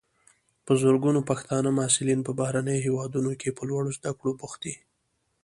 په زرګونو پښتانه محصلین په بهرنیو هیوادونو کې په لوړو زده کړو بوخت دي.